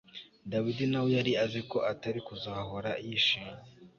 dawidi na we yari azi ko atari kuzahora yishimye